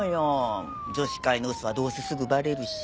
女子会の嘘はどうせすぐバレるし。